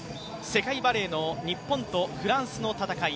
世界バレーの日本とフランスの戦い。